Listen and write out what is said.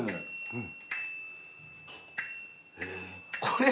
うん。